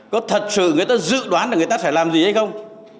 có thật sự người ta dự đoán được người ta sẽ làm gì hay không